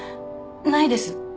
ないです。